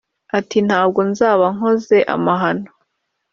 Ati “ Ntabwo nzaba nkoze amahano